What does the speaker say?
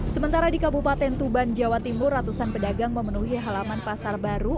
sementara di kabupaten tuban jawa timur ratusan pedagang memenuhi halaman pasar baru